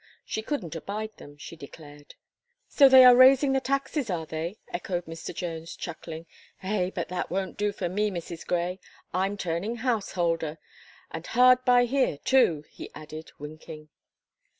"She couldn't abide them," she declared. "And so they axe raising the taxes, are they!" echoed Mr. Jones, chuckling. "Eh! but that won't do for me, Mrs. Gray. I'm turning householder and hard by here too!" he added, winking.